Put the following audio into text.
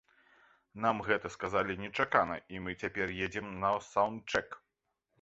Нам гэта сказалі нечакана і мы цяпер едзем на саўндчэк.